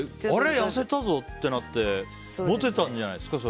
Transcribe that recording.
痩せたぞ！ってなってモテたんじゃないですか？